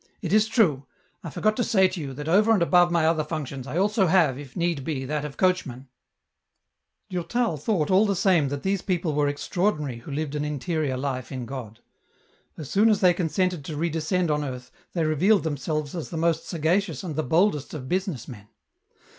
" It is true ; I forgot to say to you, that over and above my other functions, I also have, if need be, that of coach man." Durtal thought all the same that these people were extraordinary who lived an interior life in God. As soon as they consented to redescend on earth they revealed them selves as the most sagacious and the boldest of business men.